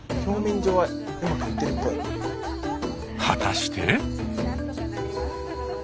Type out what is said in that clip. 果たして。